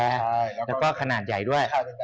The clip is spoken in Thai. แล้วก็ขนาดใหญ่ด้วย